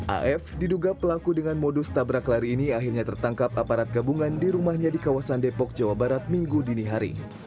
af diduga pelaku dengan modus tabrak lari ini akhirnya tertangkap aparat gabungan di rumahnya di kawasan depok jawa barat minggu dini hari